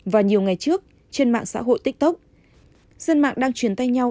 và nhiều ngày trước trên mạng xã hội tiktok dân mạng đang chuyển tay nhau